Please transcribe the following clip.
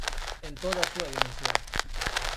En toda a súa dimensión.